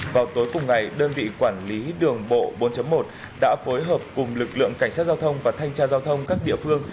vào tối cùng ngày đơn vị quản lý đường bộ bốn một đã phối hợp cùng lực lượng cảnh sát giao thông và thanh tra giao thông các địa phương